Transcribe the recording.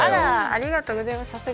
ありがとうございます